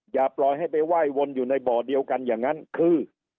อย่าปล่อยให้ไปไหว้วนอยู่ในบ่อเดียวกันอย่างนั้นคือ